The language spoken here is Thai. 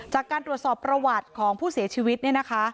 จากการตรวจสอบประวัติของผู้เสียชีวิตเนี่ยนะคะ